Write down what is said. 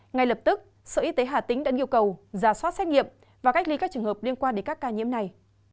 ngay lập tức sở y tế hà tĩnh đã yêu cầu giả soát xét nghiệm và cách ly các trường hợp liên quan đến các ca nhiễm này